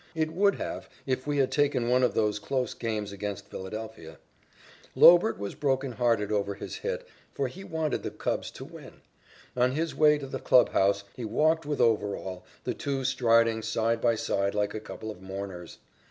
It would have if we had taken one of those close games against Philadelphia. Lobert was broken hearted over his hit, for he wanted the Cubs to win. On his way to the clubhouse, he walked with Overall, the two striding side by side like a couple of mourners.